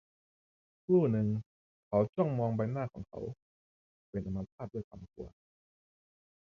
ครู่หนึ่งเขาจ้องมองใบหน้าของเขา - เป็นอัมพาตด้วยความกลัว